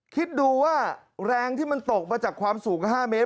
คิดดูว่าแรงที่มันตกมาจากความสูง๕เมตร